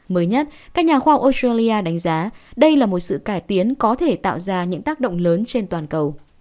mới nhất các nhà khoa học australia đánh giá đây là một sự cải tiến có thể tạo ra những tác động lớn trên toàn cầu